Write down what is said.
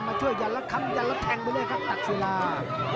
มาช่วยอย่างละครั้งอย่างละแทงไปเลยครับตักศิลา